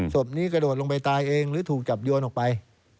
ศพนี้กระโดดลงไปตายเองหรือถูกจับโยนออกไป